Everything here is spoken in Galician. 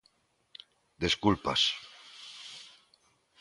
Desculpas.